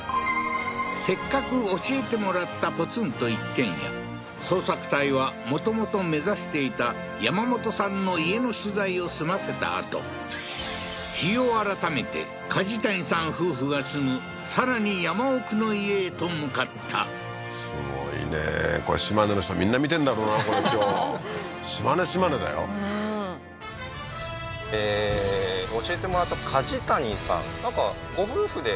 せっかく教えてもらったポツンと一軒家捜索隊はもともと目指していた山本さんの家の取材を済ませたあと日を改めてカジタニさん夫婦が住むさらに山奥の家へと向かったすごいねこれ島根の人みんな見てんだろうなこれ今日島根島根だようんなんかはいうわ